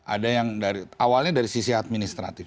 ada yang awalnya dari sisi administratif